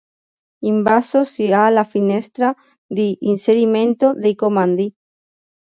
In basso si ha la finestra di inserimento dei comandi.